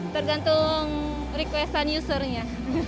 tergantung request an user nya